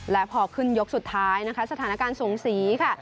และพอขึ้นยกสุดท้ายนะคะสถานการณ์สูงสีค่ะ